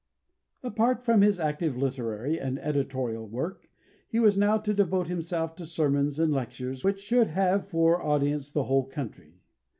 Apart from his active literary and editorial work, he was now to devote himself to sermons and lectures which should have for audience the whole country.